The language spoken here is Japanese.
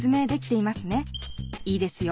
いいですよ